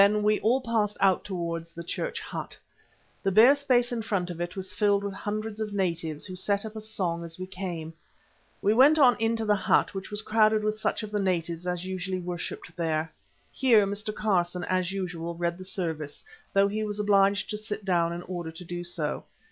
Then we all passed out towards the church hut. The bare space in front of it was filled with hundreds of natives, who set up a song as we came. But we went on into the hut, which was crowded with such of the natives as usually worshipped there. Here Mr. Carson, as usual, read the service, though he was obliged to sit down in order to do so.